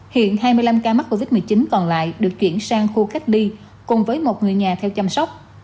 hiện hai mươi năm ca mắc covid một mươi chín còn lại được chuyển sang khu cách ly cùng với một người nhà theo chăm sóc